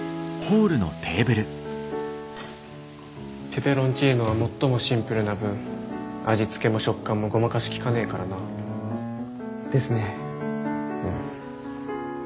ペペロンチーノは最もシンプルな分味付けも食感もごまかしきかねえからな。ですね。